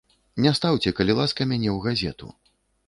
Не стаўце, калі ласка, мяне ў газету.